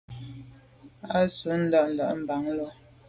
A tù’ mèn nda’nda’ mban lo.